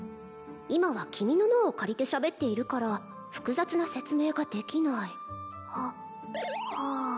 今は君の脳を借りてしゃべっているから複雑な説明ができないははあ